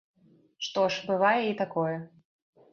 Што ж, бывае і такое.